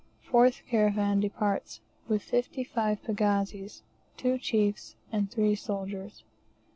Fourth caravan departs with fifty five pagazis, two chiefs, and three soldiers.